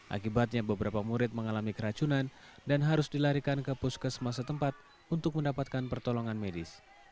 akibatnya beberapa murid mengalami keracunan dan harus dilarikan ke puskesmasa tempat untuk mendapatkan pertolongan medis